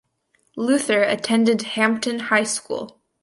Luther attended Hampton High School.